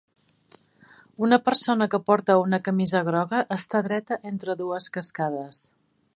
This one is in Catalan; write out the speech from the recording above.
Una persona que porta una camisa groga està dreta entre dues cascades.